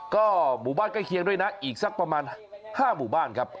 ก็หมู่บ้านใกล้เคียงด้วยนะอีกสักประมาณ๕หมู่บ้านครับ